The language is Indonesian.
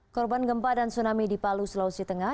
korban gempa dan tsunami di palu sulawesi tengah